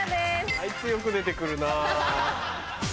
あいつよく出て来るな。